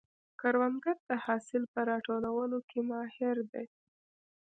کروندګر د حاصل په راټولولو کې ماهر دی